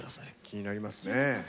気になりますね。